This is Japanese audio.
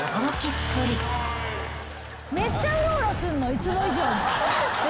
いつも以上に。